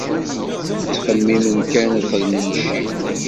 Ttxemmimen kan ad xedmen cce..